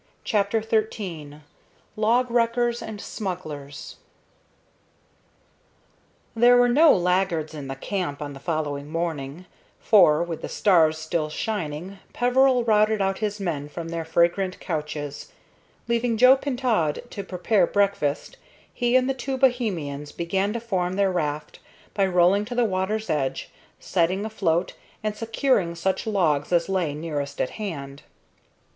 CHAPTER XIII LOG WRECKERS AND SMUGGLERS There were no laggards in the camp on the following morning, for, with the stars still shining, Peveril routed out his men from their fragrant couches. Leaving Joe Pintaud to prepare breakfast, he and the two Bohemians began to form their raft by rolling to the water's edge, setting afloat, and securing such logs as lay nearest at hand.